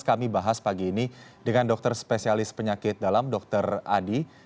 kami bahas pagi ini dengan dokter spesialis penyakit dalam dr adi